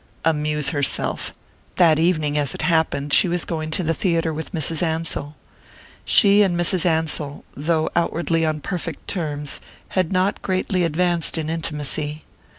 Amuse herself! That evening, as it happened, she was going to the theatre with Mrs. Ansell. She and Mrs. Ansell, though outwardly on perfect terms, had not greatly advanced in intimacy.